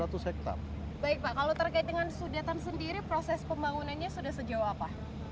baik pak kalau terkait dengan sudetan sendiri proses pembangunannya sudah sejauh apa